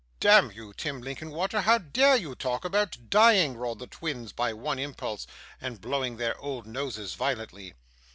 'Damn you, Tim Linkinwater, how dare you talk about dying?' roared the twins by one impulse, and blowing their old noses violently.